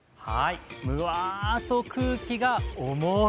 むわっと空気が重い。